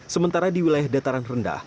sementara di wilayah dataran rendah